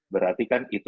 berarti kan itu